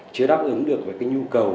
chưa đáp ứng được với nhu cầu